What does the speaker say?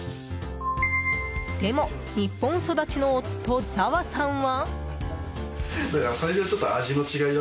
でも日本育ちの夫、ざわさんは？